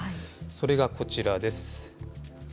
それがこちらです。